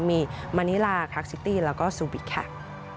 มีมานิลาคลักซิตี้แล้วก็ซูบิตค่ะ